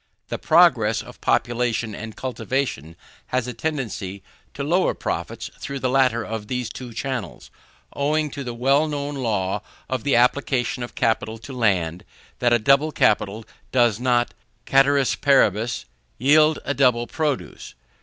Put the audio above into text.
The progress of population and cultivation has a tendency to lower profits through the latter of these two channels, owing to the well known law of the application of capital to land, that a double capital does not caeteris paribus yield a double produce.